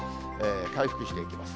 回復していきます。